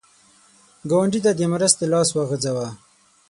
ګاونډي ته د مرستې لاس وغځوه